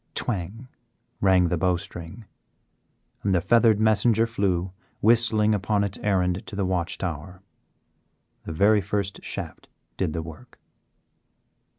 Twang! rang the bowstring, and the feathered messenger flew whistling upon its errand to the watch tower. The very first shaft did the work.